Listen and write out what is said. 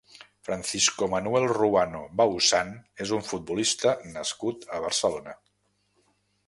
Francisco Manuel Ruano Bausán és un futbolista nascut a Barcelona.